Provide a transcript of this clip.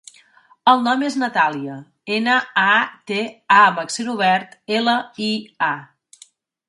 El nom és Natàlia: ena, a, te, a amb accent obert, ela, i, a.